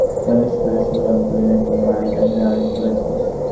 বাচ্চারা যেমন শিক্ষকদের কাছে নালিশ করে, শুনলাম তুই না-কি মায়ের কাছে নালিশ করেছিস?